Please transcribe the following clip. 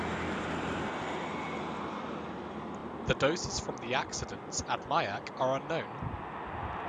The doses from the accidents at Mayak are unknown.